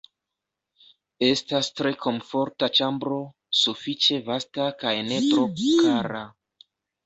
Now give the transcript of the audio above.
Estas tre komforta ĉambro, sufiĉe vasta kaj ne tro kara.